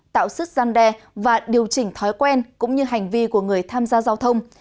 tạo sức gian đe và điều chỉnh thói quen cũng như hành vi của người tham gia giao thông